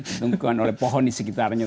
ditemukan oleh pohon di sekitarnya